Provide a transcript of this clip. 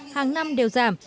hàng năm đều giảm